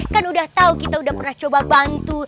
kan udah tahu kita udah pernah coba bantu